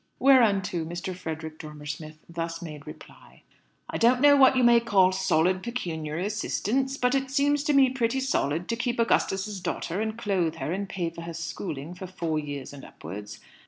Whereunto Mr. Frederick Dormer Smith thus made reply, "I don't know what you may call 'solid pecuniary assistance,' but it seems to me pretty solid to keep Augustus's daughter, and clothe her, and pay for her schooling, for four years and upwards.